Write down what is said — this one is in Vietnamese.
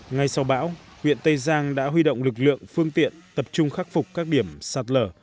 ngay sau bão huyện tây giang đã huy động lực lượng phương tiện tập trung khắc phục các điểm sạt lở